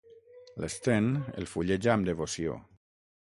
L'Sten el fulleja amb devoció.